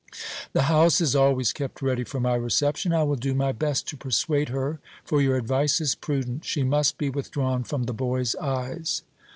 "The house is always kept ready for my reception. I will do my best to persuade her, for your advice is prudent. She must be withdrawn from the boy's eyes."